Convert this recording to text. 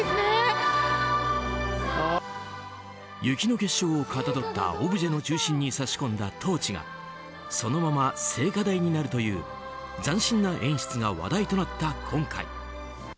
雪の結晶をかたどったオブジェの中心に挿し込んだトーチがそのまま聖火台になるという斬新な演出が話題となった今回。